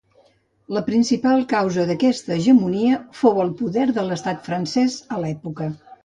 La principal causa d'aquesta hegemonia fou el poder de l'estat francès a l'època.